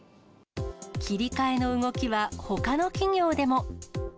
切り替えの動きは、ほかの企業でも。